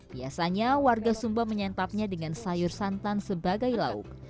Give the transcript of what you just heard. biasanya warga sumba menyantapnya dengan sayur santan sebagai lauk